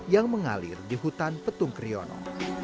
yang mengalir di hutan petung kriono